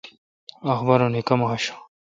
اخبارونی کما آشوں؟